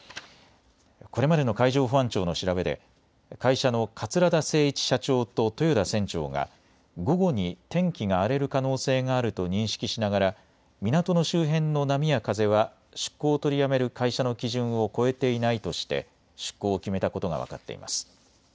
これまでの海上保安庁の調べで会社の桂田精一社長と豊田船長が午後に天気が荒れる可能性があると認識しながら港の周辺の波や風は出航を取りやめる会社の基準を超えていないとして出航を決めたことが分かっています。